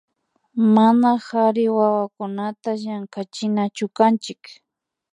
Mana kari wawakunata llankachinachukanchik